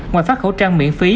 ngoài phát khẩu trang miễn phí